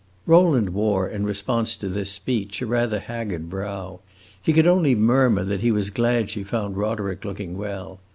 Rowland wore, in response to this speech, a rather haggard brow. He could only murmur that he was glad she found Roderick looking well.